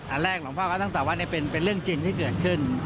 อันแรกหลวงพ่อก็ต้องตอบว่าเป็นเรื่องจริงที่เกิดขึ้น